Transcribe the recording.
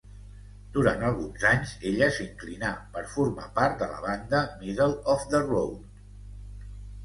Durant alguns anys, ella s'inclinà per formar part de la banda Middle Of The Road.